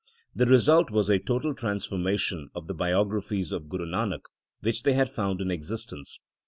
The result was a total transformation of the biographies of Guru Nanak which they had found in exis tence.